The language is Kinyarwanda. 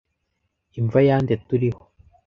Imva ya nde turiho